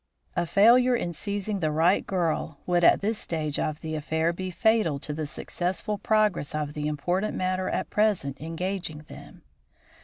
A failure in seizing the right girl would at this stage of the affair be fatal to the successful progress of the important matter at present engaging them.